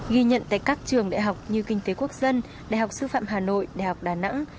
ghi nhận tại các trường đại học như kinh tế quốc dân đại học sư phạm hà nội đại học đà nẵng